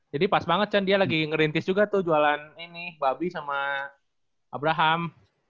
jadi pas banget kan dia lagi ngerintis juga tuh jualan ini babi sama abraham